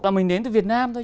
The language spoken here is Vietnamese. là mình đến từ việt nam thôi